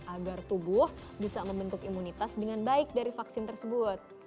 agar tubuh bisa membentuk imunitas dengan baik dari vaksin tersebut